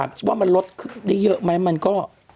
คิดว่ามันลดได้เยอะไหมมันก็